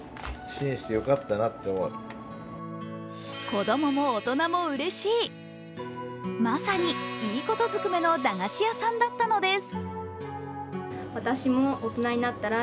子供も大人もうれしい、まさにいいことずくめの駄菓子屋さんだったのです。